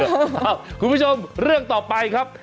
คุณผู้ชมเรื่องต่อไปครับ